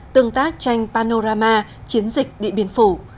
tương tác tranh panorama chiến dịch địa biên phủ